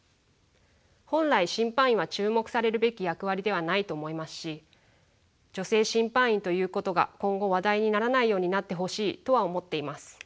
本来審判員は注目されるべき役割ではないと思いますし女性審判員ということが今後話題にならないようになってほしいとは思っています。